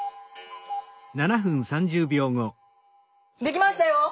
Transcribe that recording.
できましたよ。